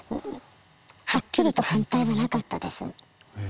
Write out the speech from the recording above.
はっきりと反対はなかったです。